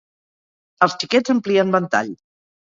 Els Xiquets amplien ventall